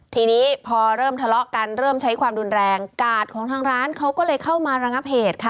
ทีนี้พอเริ่มทะเลาะกันเริ่มใช้ความรุนแรงกาดของทางร้านเขาก็เลยเข้ามาระงับเหตุค่ะ